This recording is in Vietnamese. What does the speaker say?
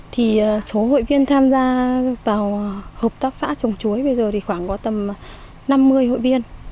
thì số hội viên tham gia vào hợp tác xã trồng chuối bây giờ thì khoảng có tầm năm mươi hội viên